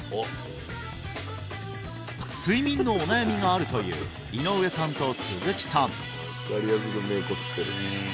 睡眠のお悩みがあるという井上さんと鈴木さん